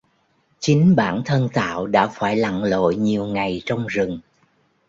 Chính bản thân tạo đã phải lặn lội nhiều ngày trong rừng